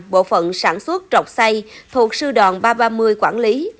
bộ phận sản xuất trọc say thuộc sư đoàn ba trăm ba mươi quản lý